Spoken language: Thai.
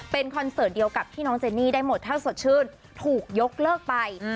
เป็นคอนเสิร์ตเดียวกับที่น้องเจนี่ได้หมดถ้าสดชื่นถูกยกเลิกไป